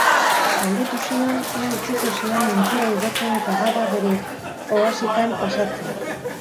Galdetu zion ea utziko zion ontzira igotzen eta gaua bere ohaxkan pasatzen.